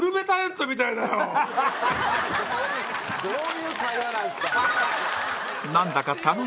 どういうどういう会話なんですか？